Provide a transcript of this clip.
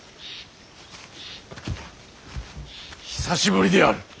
久しぶりである。